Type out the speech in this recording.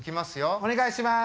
お願いします。